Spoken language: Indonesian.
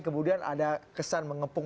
kemudian ada kesan mengepung